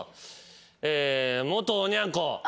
元おニャン子。